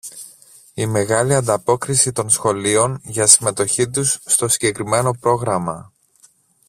Η μεγάλη ανταπόκριση των σχολείων για συμμετοχή τους στο συγκεκριμένο πρόγραμμα